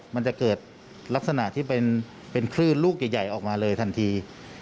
มันจะเกิดลักษณะที่เป็นคลื่นลูกใหญ่ออกมาเลยทันที